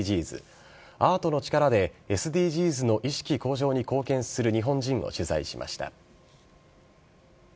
アートの力でＳＤＧｓの意識向上に貢献する日本人を取材しました。